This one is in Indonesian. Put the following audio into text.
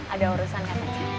ada urusan ke saya